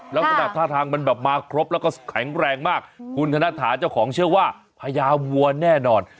ลักษณะท่าทางมันแบบมาครบแล้วก็แข็งแรงมากคุณธนถาเจ้าของเชื่อว่าพญาวัวแน่นอน